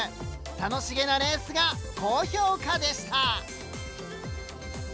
楽しげなレースが高評価でした。